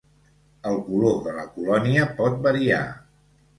El color de la colònia pot variar.